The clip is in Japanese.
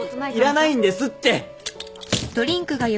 いらないんですって！